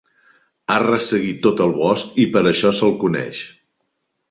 Ha resseguit tot el bosc i per això se'l coneix.